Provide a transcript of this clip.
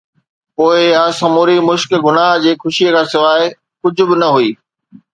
پوءِ اها سموري مشق گناهه جي خوشي کان سواءِ ڪجهه به نه هئي.